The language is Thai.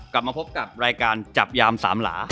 กลับมาพบกับรายการจับยามสามหลา